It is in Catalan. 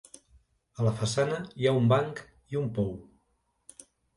A la façana hi ha un banc i un pou.